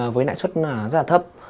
với lãi suất rất là thấp